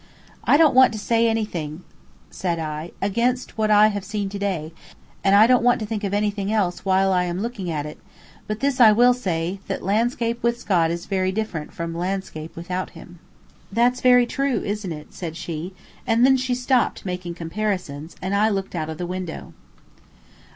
"I don't want to say anything," said I, "against what I have seen to day, and I don't want to think of anything else while I am looking at it; but this I will say, that landscape with Scott is very different from landscape without him." "That is very true, isn't it?" said she; and then she stopped making comparisons, and I looked out of the window.